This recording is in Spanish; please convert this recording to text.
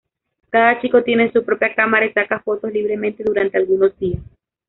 Cada chico tiene su propia cámara y saca fotos libremente durante algunos días.